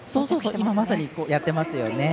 今、まさにやってましたね。